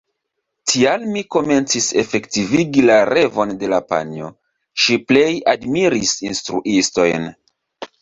Tial mi komencis efektivigi la revon de la panjo: ŝi plej admiris instruistojn.